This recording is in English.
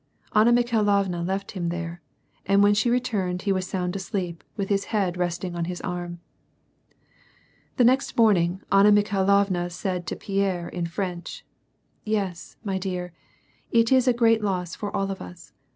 Anna Mikhai lovna left him there, and when she returned he was sound asleep, with his head resting on his arm. The next morning, Anna Mikhailovna said to Pierre in French, —" Yes, my dear, it is a great loss for all of us.